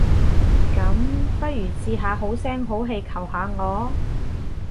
噉，不如試下好聲好氣求下我？